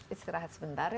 istirahat sebentar ya